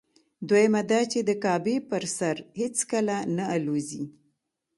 دویمه دا چې د کعبې پر سر هېڅکله نه الوزي.